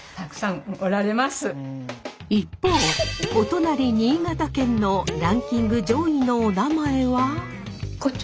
一方お隣新潟県のランキング上位のおなまえは？